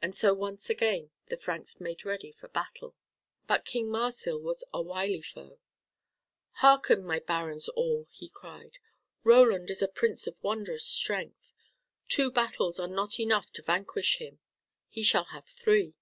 And so once again the Franks made ready for battle. But King Marsil was a wily foe. "Hearken, my barons all," he cried, "Roland is a prince of wondrous strength. Two battles are not enough to vanquish him. He shall have three.